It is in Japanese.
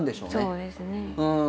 そうですね。